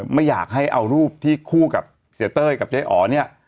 ไม่อยากให้เอารูปที่คู่กับเสียเต้ยกับเจ๊อ๋อเนี่ย